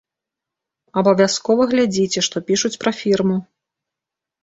Абавязкова глядзіце, што пішуць пра фірму.